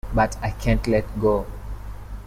But I can't let go.